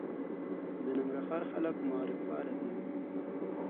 د ننګرهار خلک معارف پاله دي.